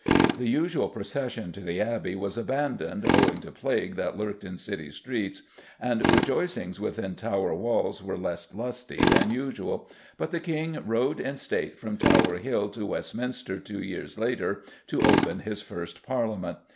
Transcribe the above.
The usual procession to the Abbey was abandoned owing to plague that lurked in city streets, and rejoicings within Tower walls were less lusty than usual, but the King rode in state from Tower Hill to Westminster two years later to open his first Parliament.